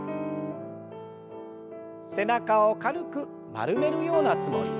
背中を軽く丸めるようなつもりで。